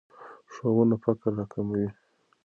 ښوونه فقر راکموي.